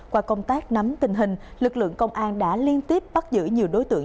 qua công tác nắm tình hình lực lượng công an đã liên tiếp bắt giữ nhiều đối tượng